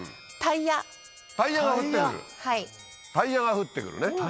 タイヤが降って来るね。